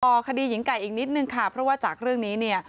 คดีหญิงไก่อีกนิดนึงค่ะเพราะว่าจากเรื่องนี้เนี่ย